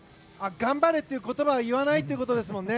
頑張れって言葉は言わないってことですもんね。